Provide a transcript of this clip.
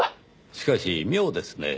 しかし妙ですねぇ。